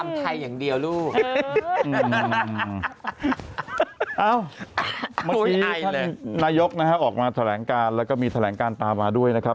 เมื่อกี้แถลงนายกนะฮะออกมาแถลงการแล้วก็มีแถลงการตามมาด้วยนะครับ